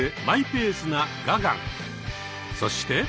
そして。